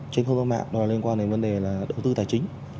trên thông tin mạng đó là liên quan đến vấn đề đầu tư tài chính